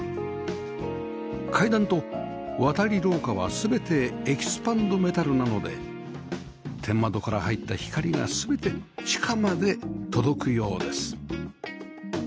階段と渡り廊下は全てエキスパンドメタルなので天窓から入った光が全て地下まで届くようです